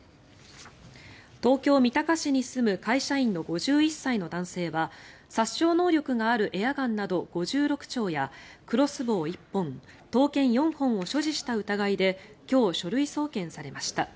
東京・三鷹市に住む会社員の５１歳の男性は殺傷能力があるエアガンなど５６丁やクロスボウ１本刀剣４本を所持した疑いで今日、書類送検されました。